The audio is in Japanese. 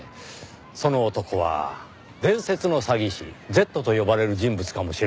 その男は伝説の詐欺師Ｚと呼ばれる人物かもしれません。